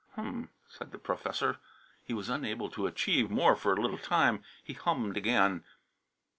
"Hum!" said the professor. He was unable to achieve more for a little time. He hum'd again.